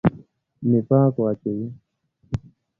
نفاق واچوي.